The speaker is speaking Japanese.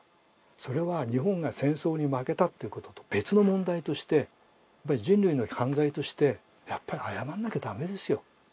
それは日本が戦争に負けたっていうことと別の問題として人類の犯罪としてやっぱり謝らなきゃダメですよ。